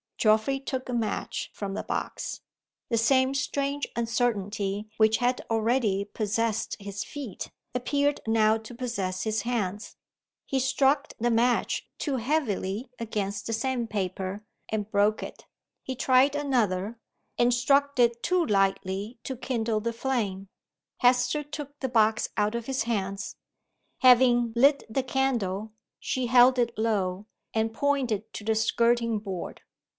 Geoffrey took a match from the box. The same strange uncertainty which had already possessed his feet, appeared now to possess his hands. He struck the match too heavily against the sandpaper, and broke it. He tried another, and struck it too lightly to kindle the flame. Hester took the box out of his hands. Having lit the candle, she hel d it low, and pointed to the skirting board.